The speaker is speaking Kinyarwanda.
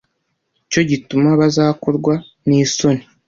cyo gituma bazakorwa n isoni